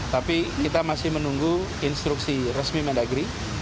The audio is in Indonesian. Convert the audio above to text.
tapi kita masih menunggu instruksi resmi mendagri